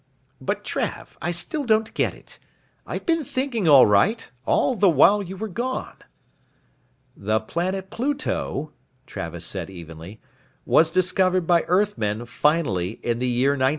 "But Trav, I still don't get it. I've been thinkin' all night, all the while you were gone...." "The planet Pluto," Travis said evenly, "was discovered by Earthmen, finally, in the year 1930.